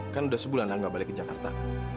kan udah sebulan anak nggak balik ke jakarta